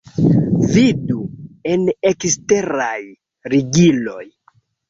Vidu en eksteraj ligiloj.